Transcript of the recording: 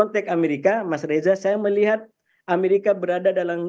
konteks amerika mas reza saya melihat amerika berada dalam